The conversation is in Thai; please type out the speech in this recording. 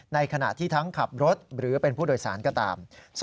ในขณะที่ทั้งขับรถหรือเป็นผู้โดยสารก็ตาม